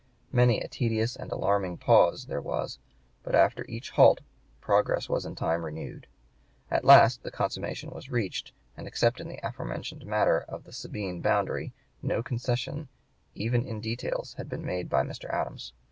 Many a tedious and alarming pause there was, but after each halt progress was in time renewed. At last the consummation was reached, and except in the aforementioned matter of the Sabine boundary no concession even in details had been made by Mr. Adams.